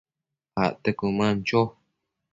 acte cuëman cho